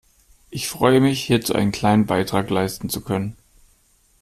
Ich freue mich, hierzu einen kleinen Beitrag leisten zu können.